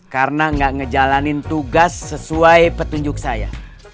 karena enggak ngejalanin tugas sesuai petunjuk saya